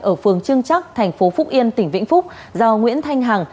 ở phường trương trắc tp phúc yên tỉnh vĩnh phúc do nguyễn thanh hằng